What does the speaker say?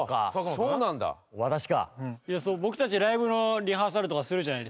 そう僕たちライブのリハーサルとかするじゃないですか。